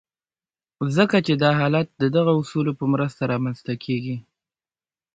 ځکه چې دا حالت د دغو اصولو په مرسته رامنځته کېږي.